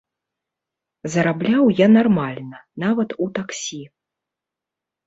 Зарабляў я нармальна, нават у таксі.